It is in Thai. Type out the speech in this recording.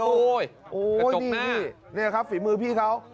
โอ้โฮนี่นี่นะครับฝีมือพี่เขา